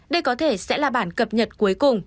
đây có thể sẽ là bản cập nhật cuối cùng